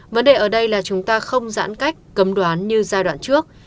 vấn đề ở đây là chúng ta không giãn cách cấm đoán như giai đoạn trước